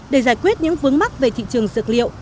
để giải quyết những vướng mắt về thị trường dược liệu